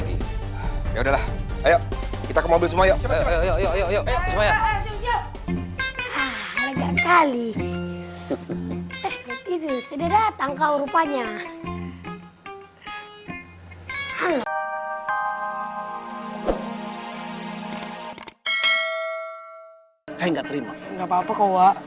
gak apa apa kok wak